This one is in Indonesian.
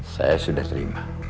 saya sudah terima